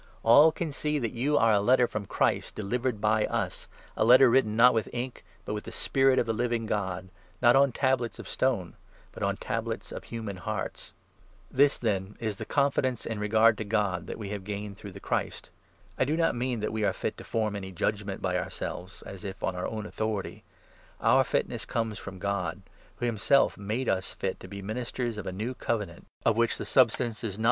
All can 3 see that you are a letter from Christ delivered by us, a letter written, not with ink, but with the Spirit of the Living God, not on ' tablets of stone,' but on ' tablets of human hearts.' III. — THE MINISTRY OF THE APOSTLES. The Glory of This, then, is the confidence in regard to God 4 the Gospel that we have gained through the Christ. I do not 5 ^Itht'he*1 mean tnat we are fit to form any judgement by Giory of the ourselves, as if on our own authority ; our fitness Law comes from God, who himself made us fit to be 6 ministers of a New Covenant, of which the substance is, not a 3 Exod.